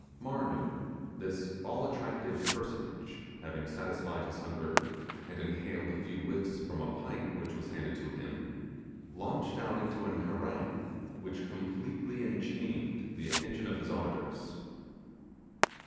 Marnoo, that all attractive personage, having satisfied his hunger and inhaled a few whiffs from a pipe which was handed to him, launched out into an harangue which completely enchained the attention of his auditors.